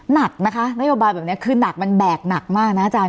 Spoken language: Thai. หนักนะคะนโยบายแบบนี้คือหนักมันแบกหนักมากนะอาจารย์